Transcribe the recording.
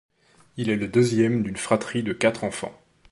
Il est le deuxième d'une fratrie de quatre enfants.